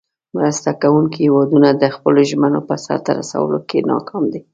مرسته کوونکې هیوادونه د خپلو ژمنو په سر ته رسولو کې ناکام دي.